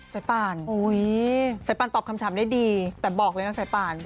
สายป่านสายปันตอบคำถามได้ดีแต่บอกเลยนะสายป่าน